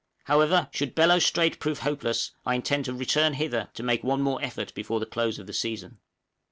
However, should Bellot Strait prove hopeless, I intend to return hither to make one more effort before the close of the season.